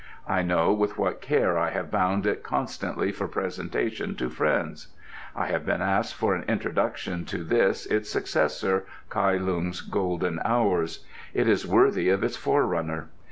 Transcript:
I know with what care I have bound it constantly for presentation to friends. I have been asked for an introduction to this its successor, Kai Lung's Golden Hours. It is worthy of its forerunner.